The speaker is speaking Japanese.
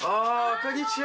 こんにちは。